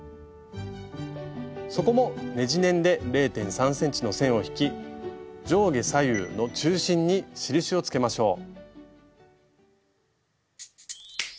底もねじネンで０．３ｃｍの線を引き上下左右の中心に印をつけましょう。